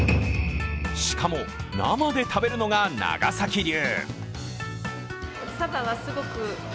しかも、生で食べるのが長崎流。